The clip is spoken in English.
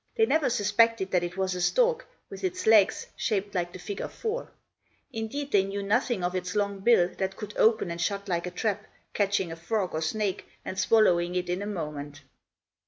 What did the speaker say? They never suspected that it was a stork, with its legs shaped like the figure four (4). Indeed, they knew nothing of its long bill, that could open and shut like a trap, catching a frog or snake, and swallowing it in a moment.